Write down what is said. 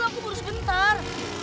aku burus bentar